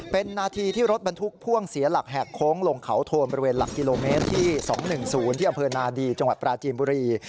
เป็นนาทีที่รถบรรทุกพ่วงเสียหลักแหกโค้งลงเขาโทนบริเวณหลักกิโลเมตรที่๒๑๐ที่อำเภอนาดีจังหวัดปราจีนบุรี